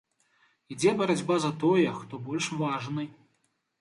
Ідзе барацьба за тое, хто больш важны.